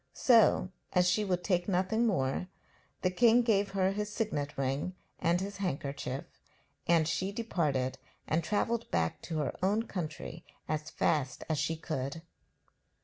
So, as she would take nothing more, the king gave her his signet ring and his handkerchief, and she departed and travelled back to her own country as fast as she could.